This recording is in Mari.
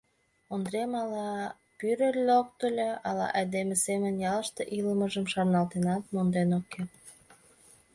Ондрем ала пӱрӧ локтыльо, ала айдеме семын ялыште илымыжым шарналтенат, монден ок керт.